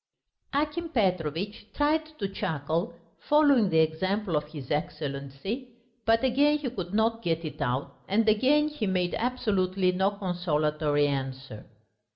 Akim Petrovitch tried to chuckle, following the example of his Excellency, but again he could not get it out, and again he made absolutely no consolatory answer.